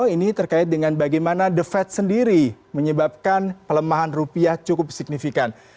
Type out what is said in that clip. ini terkait dengan bagaimana the fed sendiri menyebabkan pelemahan rupiah cukup signifikan